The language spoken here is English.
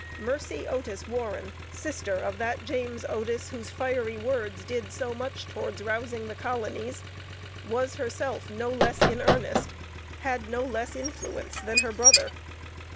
Mercy Otis Warren, sister of that James Otis whose fiery words did so much towards rousing the colonies, was herself no less in earnest, had no less influence than her brother.